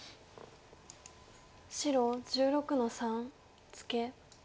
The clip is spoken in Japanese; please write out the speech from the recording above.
白１６の三ツケ。